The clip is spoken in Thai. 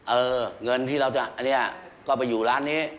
เออเงินที่เราจะอันนี้ก็ไปอยู่ร้านนี้